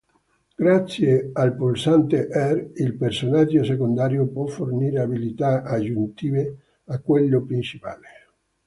Grazie al pulsante R il personaggio secondario può fornire abilità aggiuntive a quello principale.